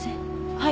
はい。